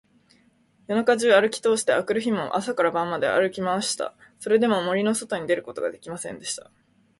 夜中じゅうあるきとおして、あくる日も朝から晩まであるきました。それでも、森のそとに出ることができませんでした。